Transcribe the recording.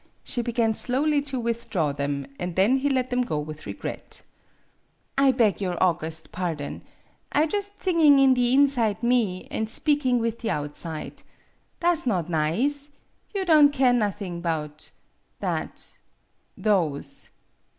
She began slowly to withdraw them, and then he let them go with regret. " I beg your august pardon. I jus' thing ing in the inside me, an' speaking with the outside. Tha' 's not nize. You don' keer nothing 'bout that those